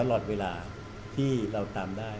ตลอดเวลาที่เราตามได้